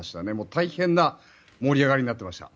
大変な盛り上がりになっていました。